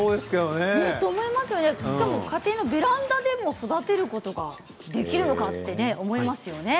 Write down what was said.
しかも、家庭のベランダで育てることができるのかと思いますよね。